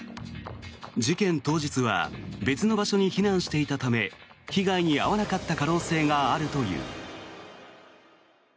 事件当日は別の場所に避難していたため被害に遭わなかった可能性があるという。